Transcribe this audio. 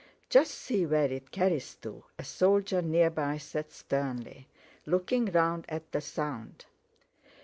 "Just see where it carries to!" a soldier near by said sternly, looking round at the sound.